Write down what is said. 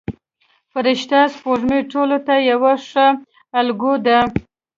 فرشته سپوږمۍ ټولو ته یوه ښه الګو ده.